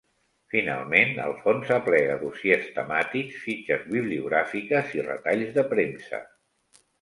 Finalment, el fons aplega dossiers temàtics, fitxes bibliogràfiques i retalls de premsa.